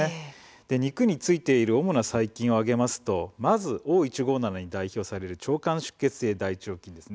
肉に付いている主な細菌を挙げますとまずＯ１５７に代表される腸管出血性大腸菌です。